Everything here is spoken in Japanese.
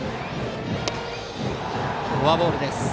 フォアボールです。